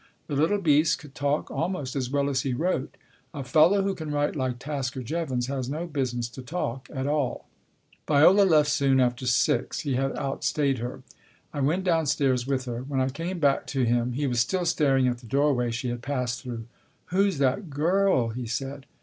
The little beast could talk almost as well as he wrote. A fellow who can write like Tasker Jevons has no business to talk at all. Viola left soon after six. He had outstayed her. I went downstairs with her. When I came back to him he was still staring at the doorway she had passed through. " Who's that girl ?" he said.